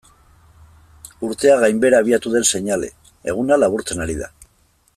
Urtea gainbehera abiatu den seinale, eguna laburtzen ari da.